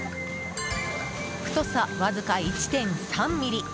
太さ、わずか１．３ｍｍ。